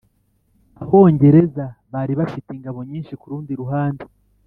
abongereza bari bafite ingabo nyinshi kurundi ruhande.